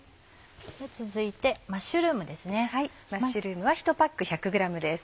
続いてマッシュルームですね。